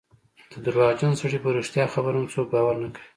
د درواغجن سړي په رښتیا خبره هم څوک باور نه کوي.